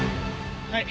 はい。